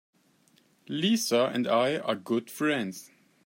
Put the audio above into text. Lisa and I are good friends.